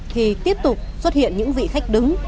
thì tiếp tục xuất hiện những vị khách đứng